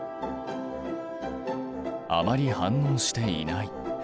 あまり反応していない。